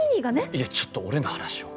いやちょっと俺の話を。